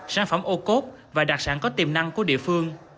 sản phẩm ô cốt và đặc sản có tiềm năng của địa phương